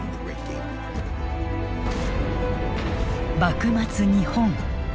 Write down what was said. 幕末日本。